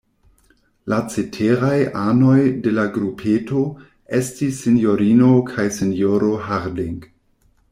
La ceteraj anoj de la grupeto estis sinjorino kaj sinjoro Harding.